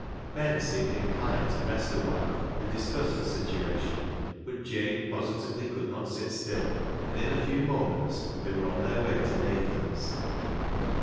Ben seemed inclined to rest awhile and dis cuss the situation, but Jabe positively could not sit still, and in a few moments they were on their way to Nathan's.